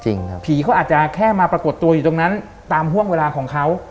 ผีเขาอาจจะแค่มาปรากฏตัวอยู่ตรงนั้นตามห่วงเวลาของเขา